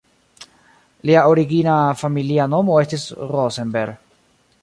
Lia origina familia nomo estis "Rosenberg".